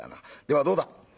ではどうだ？